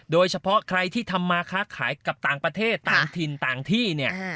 โดยเฉพาะใครที่ทำมาค้าขายกับต่างประเทศต่างถิ่นต่างที่เนี่ย